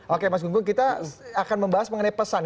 oke mas gunggung kita akan membahas mengenai pesan